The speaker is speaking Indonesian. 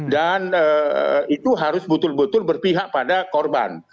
dan itu harus betul betul berpihak pada korban